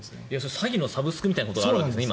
詐欺のサブスクみたいなのがあるんですね。